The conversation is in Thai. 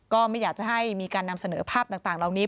ก็ไม่อยากจะให้มีการนำเสนอภาพต่างเหล่านี้